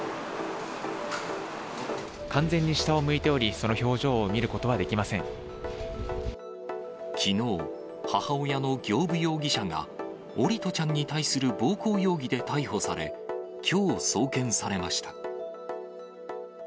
完全に下を向いており、きのう、母親の行歩容疑者が、桜利斗ちゃんに対する暴行容疑で逮捕され、きょう送検されました。